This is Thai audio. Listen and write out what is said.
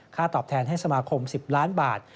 ตอบแทนให้สมาคม๑๐ล้านบาท